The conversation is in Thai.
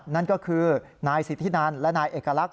นั่นก็คือนายสิทธินันและนายเอกลักษณ